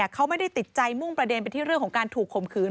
เขาไม่ได้ติดใจมุ่งประเด็นไปที่เรื่องของการถูกข่มขืน